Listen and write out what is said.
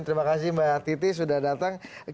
terima kasih mbak titi sudah datang